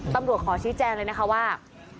ตำรวจขอชี้แจ้งเลยนะคะว่า